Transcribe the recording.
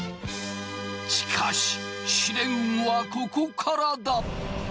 しかし試練はここからだ。